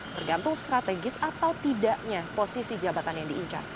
tergantung strategis atau tidaknya posisi jabatan yang diincar